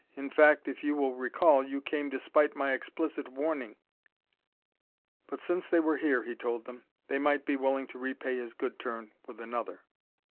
In fact, if you will recall, you came despite my explicit warning!" But since they were here, he told them, they might be willing to repay his good turn with another.